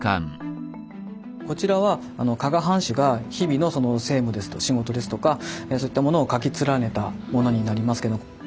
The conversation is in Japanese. こちらは加賀藩士が日々の政務ですとか仕事ですとかそういったもの書き連ねたものになりますけど。